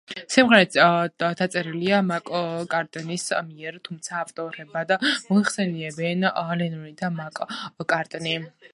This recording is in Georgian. სიმღერა დაწერილია მაკ-კარტნის მიერ, თუმცა ავტორებად მოიხსენიებიან ლენონი და მაკ-კარტნი.